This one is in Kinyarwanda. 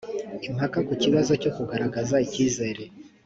impaka ku kibazo cyo kugaragaza icyizere